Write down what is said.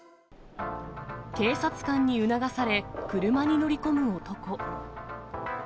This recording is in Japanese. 警察官に促され、車に乗り込む男。